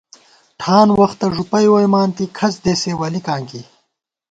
ٹھان وختہ ݫُپَئی ووئیمانتی، کھڅدېسےولِکاں کی